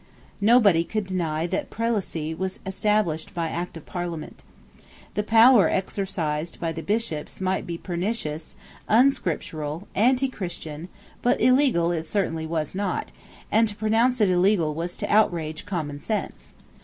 Nobody could deny that prelacy was established by Act of Parliament. The power exercised by the Bishops might be pernicious, unscriptural, antichristian but illegal it certainly was not; and to pronounce it illegal was to outrage common sense.